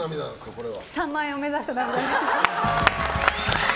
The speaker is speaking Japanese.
これは。